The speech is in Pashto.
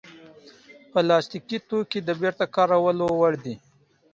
پلاستيکي توکي د بېرته کارولو وړ دي.